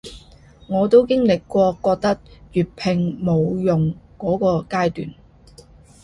我都經歷過覺得粵拼冇用箇個階段